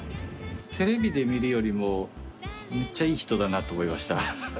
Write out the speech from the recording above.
テレビで見るよりもめっちゃいい人だなと思いました。